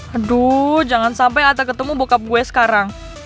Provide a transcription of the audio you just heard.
aduh jangan sampai atta ketemu bokap gue sekarang